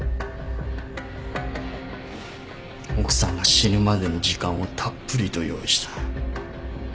奥さんが死ぬまでの時間をたっぷりと用意した。